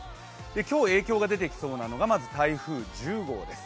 今日影響が出てきそうなのが台風１０号です。